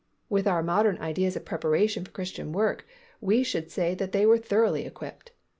With our modern ideas of preparation for Christian work, we should say that they were thoroughly equipped.